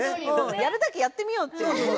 やるだけやってみようっていう。